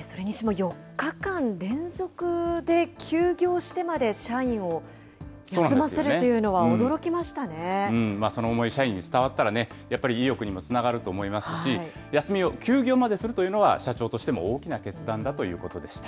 それにしても４日間連続で休業してまで社員を休ませるというその思い、社員に伝わったらね、やっぱり意欲にもつながると思いますし、休みを、休業までするというのは、社長としても大きな決断だということでした。